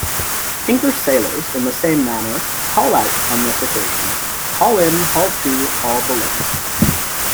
English sailors, in the same manner, call out on this occasion,-haul-in-haul-two-haul-belay!